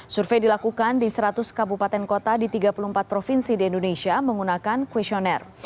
survei dilakukan di seratus kabupaten kota di tiga puluh empat provinsi di indonesia menggunakan questionnaire